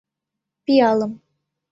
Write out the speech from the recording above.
— Пиалым.